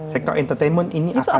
sektor entertainment ini akan